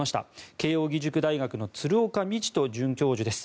慶應義塾大学の鶴岡路人准教授です。